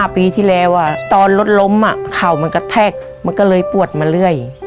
๕ปีที่แล้วอะตอนรถล้อมอะเขาก็แพรกมันก็เลยปวดมาเรื่อย